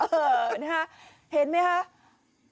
เออนะฮะเห็นไหมคะ